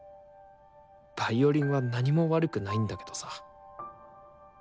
ヴァイオリンは何も悪くないんだけどさ。